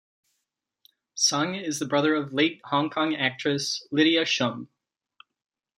Sung is the brother of late Hong Kong actress Lydia Shum.